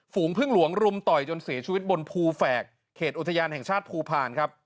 พึ่งหลวงรุมต่อยจนเสียชีวิตบนภูแฝกเขตอุทยานแห่งชาติภูพาลครับ